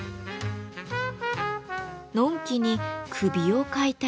のんきに首をかいたり。